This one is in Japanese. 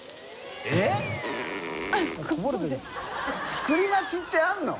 作り待ちってあるの？